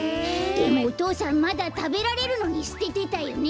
でもお父さんまだたべられるのにすててたよね。